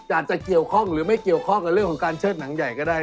อาจจะเกี่ยวข้องหรือไม่เกี่ยวข้องกับเรื่องของการเชิดหนังใหญ่ก็ได้